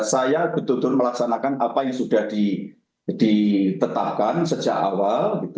saya betul betul melaksanakan apa yang sudah ditetapkan sejak awal